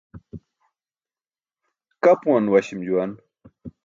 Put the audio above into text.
Kapuwan waśi̇m juwan.